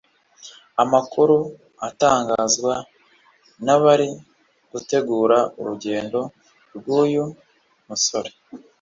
Amakuru atangazwa n’abari gutegura urugendo rw’uyu musore